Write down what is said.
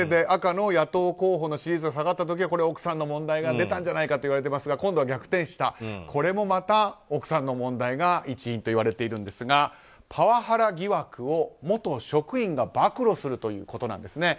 赤の野党候補の支持率が下がった時は奥さんの問題が出たんじゃないかといわれていますが今度は逆転してこれもまた奥さんの問題が一因といわれているんですがパワハラ疑惑を元職員が暴露するということです。